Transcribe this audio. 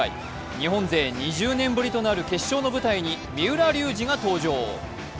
日本勢２０年ぶりとなる決勝の舞台に三浦龍司が登場。